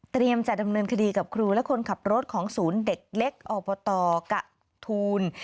จะดำเนินคดีกับครูและคนขับรถของศูนย์เด็กเล็กอบตกะทูล